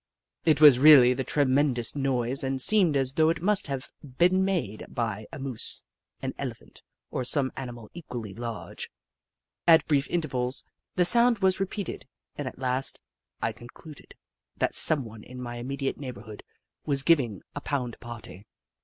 It was really a tremendous noise and seemed as though it must have been made by a Moose, an Elephant, or some animal equally large. At brief intervals the sound was re peated and at last I concluded that someone 1 72 The Book of Clever Beasts in my immediate neighbourhood was giving a pound party.